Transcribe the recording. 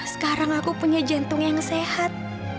sekarang aku punya jantung yang sehat